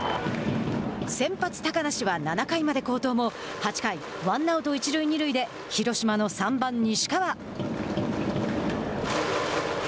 先発高梨は７回まで好投も８回、ワンアウト、一塁二塁で広島の３番西川。